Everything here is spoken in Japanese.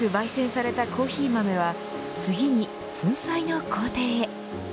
焙煎されたコーヒー豆は次に粉砕の工程へ。